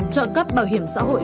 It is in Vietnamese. trợ cấp bảo hiểm xã hội